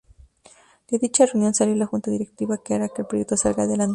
De dicha reunión salió la junta directiva que hará que el proyecto salga adelante.